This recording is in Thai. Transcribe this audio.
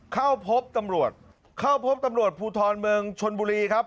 เข้าพบตำรวจผูทรเมืองชนบุรีครับ